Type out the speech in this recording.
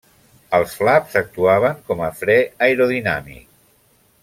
Els flaps actuaven com a fre aerodinàmic.